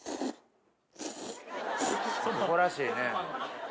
男らしいね。